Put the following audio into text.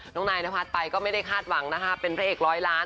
นายนพัฒน์ไปก็ไม่ได้คาดหวังนะคะเป็นพระเอกร้อยล้าน